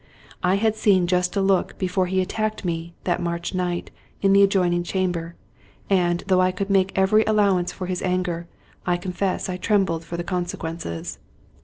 I had seen just such a look before he at tacked me, that March night, in the adjoining chamber; and, though I could make every allowance for his anger, I con fess I trembled for the consequences.